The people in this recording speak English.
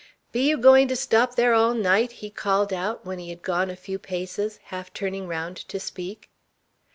"Be you going to stop there all night?" he called out, when he had gone a few paces, half turning round to speak.